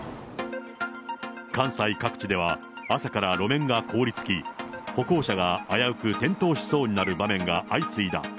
関西各地では、朝から路面が凍りつき、歩行者が危うく転倒しそうになる場面が相次いだ。